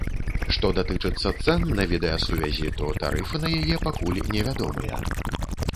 Што датычыцца цэн на відэасувязі, то тарыфы на яе пакуль невядомыя.